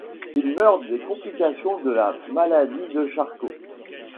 Il meurt des complications de la maladie de Charcot.